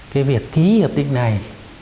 cái việc ký hiệp định này